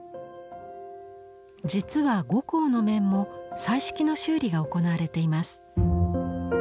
実は呉公の面も彩色の修理が行われています。